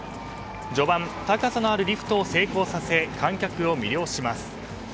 序盤、高さのあるリフトを成功させ観客を魅了します。